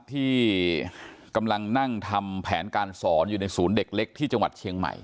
ที่กำลังนั่งทำแผนการสอนอยู่ในศูนย์เด็กเล็กที่จังหวัดเชียงใหม่